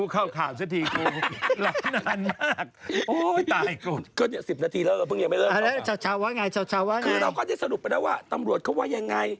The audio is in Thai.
คือเราก็ได้สรุปไปแล้วว่าตำรวจเขาว่ายังไง